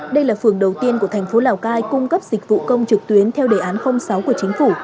đây là phường đầu tiên của thành phố lào cai cung cấp dịch vụ công trực tuyến theo đề án sáu của chính phủ